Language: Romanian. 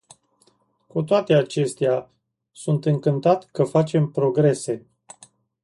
Cu toate acestea, sunt încântat că facem progrese.